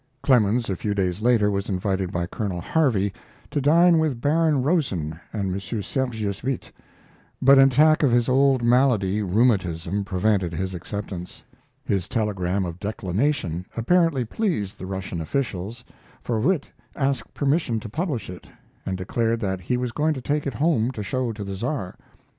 Clemens, a few days later, was invited by Colonel Harvey to dine with Baron Rosen and M. Sergius Witte; but an attack of his old malady rheumatism prevented his acceptance. His telegram of declination apparently pleased the Russian officials, for Witte asked permission to publish it, and declared that he was going to take it home to show to the Tsar.